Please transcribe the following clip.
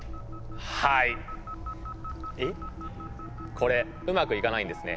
これうまくいかないんですね。